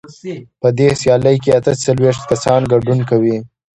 په دې سیالۍ کې اته څلوېښت کسان ګډون کوي.